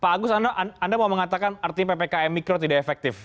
pak agus anda mau mengatakan artinya ppkm mikro tidak efektif